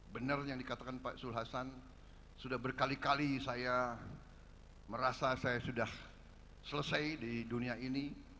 benar yang dikatakan pak zul hasan sudah berkali kali saya merasa saya sudah selesai di dunia ini